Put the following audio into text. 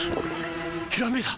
ひらめいた！